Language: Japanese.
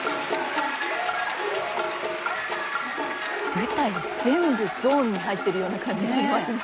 舞台全部ゾーンに入ってるような感じしますね。